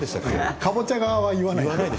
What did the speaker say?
かぼちゃは言わないの。